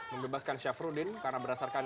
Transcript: mebebaskan syafruddin karena berdasarkan